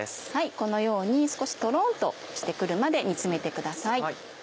このように少しトロンとして来るまで煮つめてください。